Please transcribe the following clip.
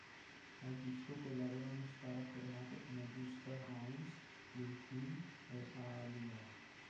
Al disco collaborano star affermate come Busta Rhymes, Lil Kim e Aaliyah.